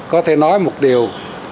có thể nói một điều